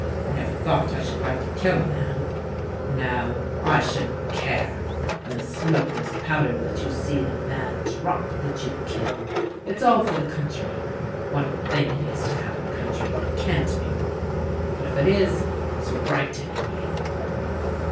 I never thought I should like to kill a man; but now, I shouldn't care; and the smokeless powder lets you see the man drop that you kill. It's all for the country! What a thing it is to have a country that can't be wrong, but if it is, is right anyway!"